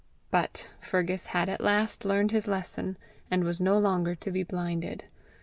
But Fergus had at last learned his lesson, and was no longer to be blinded.